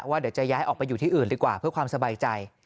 เดี๋ยวจะย้ายออกไปอยู่ที่อื่นดีกว่าเพื่อความสบายใจ